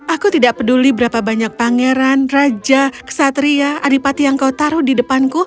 aku tidak peduli berapa banyak pangeran raja ksatria aripati yang kau taruh di depanku